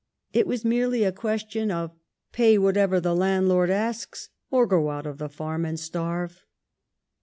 It was merely a question of "pay whatever the landlord asks, or go out of the farm and starve."